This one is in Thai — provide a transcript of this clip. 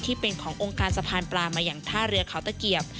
ที่เป็นขององค์การสะพานปลามาอย่างท่าเรือเขาตะเกียบ